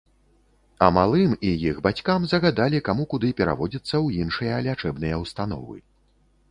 А малым і іх бацькам загадалі каму куды пераводзіцца ў іншыя лячэбныя ўстановы.